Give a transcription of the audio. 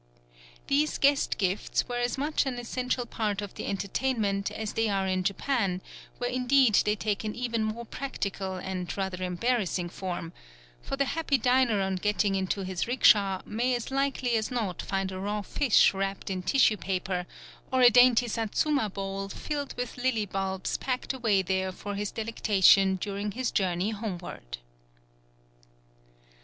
These guest gifts were as much an essential part of the entertainment as they are in Japan, where indeed they take an even more practical and rather embarrassing form: for the happy diner on getting into his rickshaw may as likely as not find a raw fish wrapped in tissue paper or a dainty Satsuma bowl filled with lily bulbs packed away there for his delectation during his journey homeward.